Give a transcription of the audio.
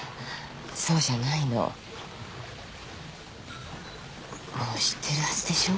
そうじゃないのもう知ってるはずでしょう？